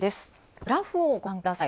グラフをご覧ください。。